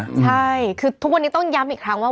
ใช่คือทุกวันนี้ต้องย้ำอีกครั้งว่า